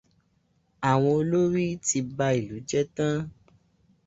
Àwọn olórí ti ba ìlú jẹ́ tán.